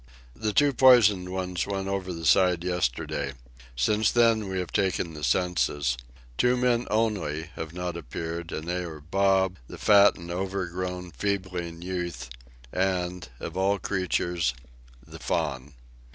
The two poisoned ones went over the side yesterday. Since then we have taken the census. Two men only have not appeared, and they are Bob, the fat and overgrown feebling youth, and, of all creatures, the Faun.